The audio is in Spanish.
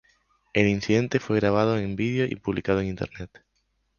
El incidente fue grabado en video y publicado en internet.